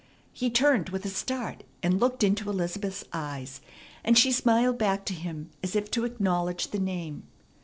He turned with a start, and looked into Elizabeth's eyes; and she smiled back to him as if to acknowledge the name.